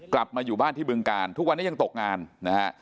กลับมาอยู่บ้านที่บึงการทุกวันนี้ยังตกงานนะฮะ